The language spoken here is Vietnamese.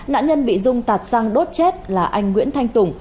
nạn nhân bị dung tạt sang đốt chết là anh nguyễn thanh tùng